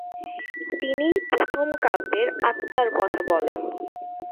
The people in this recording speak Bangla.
তিনিই প্রথম কাব্যের আত্মার কথা বলেন।